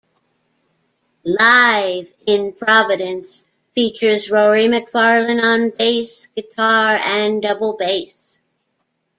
"Live in Providence" features Rory MacFarlane on bass guitar and double bass.